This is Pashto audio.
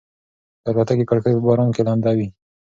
د الوتکې کړکۍ په باران کې لنده وه.